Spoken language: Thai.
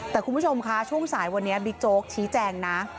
แต่คุณผู้ชมคะช่วงสายวันนี้บิ๊กโจ๊กชี้แจงนะ